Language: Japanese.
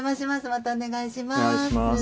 またお願いします。